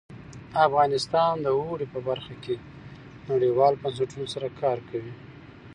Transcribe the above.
افغانستان د اوړي په برخه کې نړیوالو بنسټونو سره کار کوي.